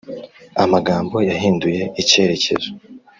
Amagambo yahinduye icyerekezo